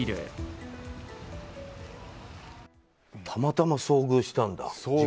たまたま遭遇したんだ、事故に。